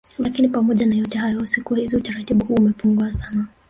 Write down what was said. Lakini pamoja na yote hayo siku hizi utaratibu huu umepungua sana